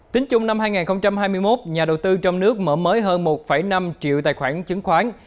tính chung năm hai nghìn hai mươi một nhà đầu tư trong nước mở mới hơn một năm triệu tài khoản chứng khoán